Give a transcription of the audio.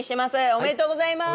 おめでとうございます。